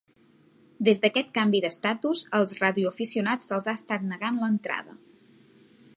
Des d'aquest canvi d'estatus, als radioaficionats se'ls ha estat negant l'entrada.